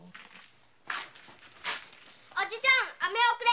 おじちゃんアメおくれ